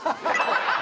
ハハハ！